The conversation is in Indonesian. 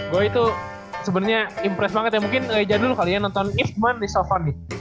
gua itu sebenernya impress banget ya mungkin ga ija dulu kalian nonton ifman di sofon nih